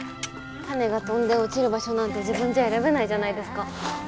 種が飛んで落ちる場所なんて自分じゃ選べないじゃないですか。